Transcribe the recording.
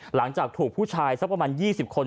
หลังจากถูกผู้ชายสักประมาณ๒๐คน